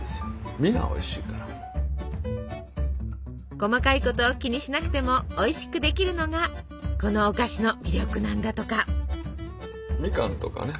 細かいことを気にしなくてもおいしくできるのがこのお菓子の魅力なんだとか。